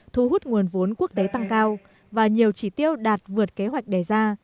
thu hút nguồn vốn quốc tế tăng cao và nhiều chỉ tiêu đạt vượt kế hoạch đề ra